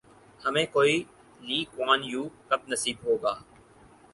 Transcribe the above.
ہمیں کوئی لی کوآن یو کب نصیب ہوگا؟